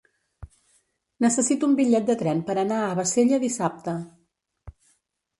Necessito un bitllet de tren per anar a Bassella dissabte.